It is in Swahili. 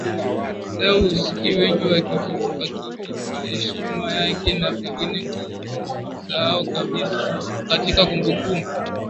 Leo husikii wengi wakikipa heshima yake na pengine kukisahau kabisa katika kumbukumbu